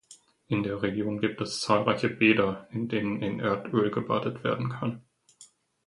In der Region gibt es zahlreiche Bäder, in denen in Erdöl gebadet werden kann.